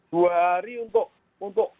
dua hari untuk